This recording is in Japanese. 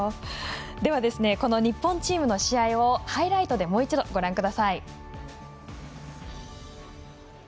では、日本チームの試合をハイライトでもう一度、ご覧ください。